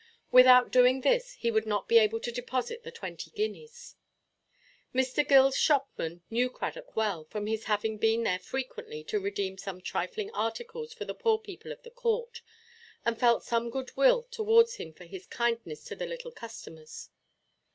Without doing this, he would not be able to deposit the twenty guineas. Mr. Gillʼs shopman knew Cradock well, from his having been there frequently to redeem some trifling articles for the poor people of the court, and felt some good–will towards him for his kindness to the little customers.